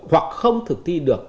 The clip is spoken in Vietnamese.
hoặc không thực thi được